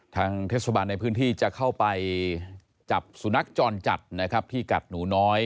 ทางเทศบาลในพื้นที่จะเข้าไปจับสุนัขจรจัดนะครับที่กัดหนูน้อย